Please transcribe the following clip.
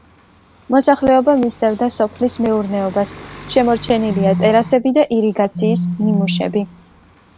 მოსახლეობა მისდევდა სოფლის მეურნეობას, შემორჩენილია ტერასები და ირიგაციის ნიმუშები.